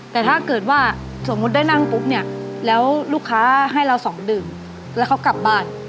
แต่ถ้าเกิดว่าสมมุติได้นั่งปุ๊บเนี่ยแล้วลูกค้าให้เราสองดื่มแล้วเขากลับบ้าน